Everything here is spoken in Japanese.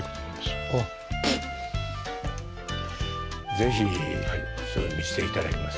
是非それ見せていただきます。